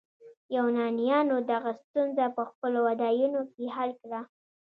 یونانیانو دغه ستونزه په خپلو ودانیو کې حل کړه.